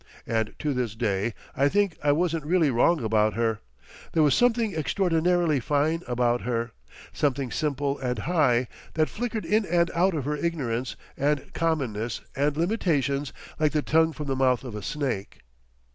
And to this day I think I wasn't really wrong about her. There was something extraordinarily fine about her, something simple and high, that flickered in and out of her ignorance and commonness and limitations like the tongue from the mouth of a snake....